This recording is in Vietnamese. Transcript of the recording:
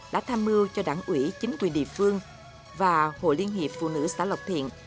đã tham mưu cho đảng ủy chính quyền địa phương và hội liên hiệp phụ nữ xã lộc thiện